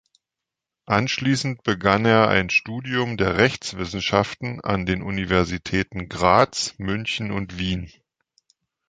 Anschließend begann er ein Studium der Rechtswissenschaften an den Universitäten Graz, München und Wien.